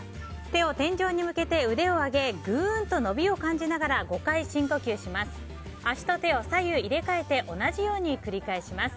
手を天井に向けて腕を上げぐーんと伸びを感じながら５回深呼吸します。